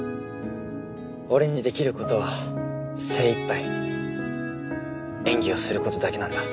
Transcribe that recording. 俺にできることは精いっぱい演技をすることだけなんだ。